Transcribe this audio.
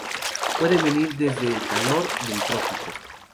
Pueden venir desde el calor del trópico.